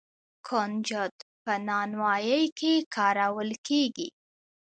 کنجد په نانوايۍ کې کارول کیږي.